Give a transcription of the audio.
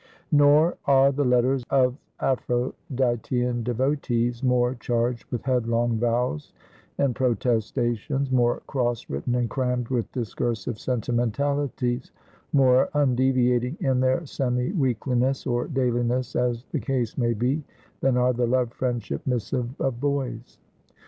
Nor are the letters of Aphroditean devotees more charged with headlong vows and protestations, more cross written and crammed with discursive sentimentalities, more undeviating in their semi weekliness, or dayliness, as the case may be, than are the love friendship missives of boys.